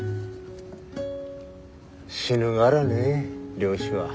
死ぬがらね漁師は。